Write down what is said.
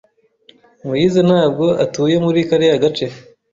Moise ntabwo atuye muri kariya gace.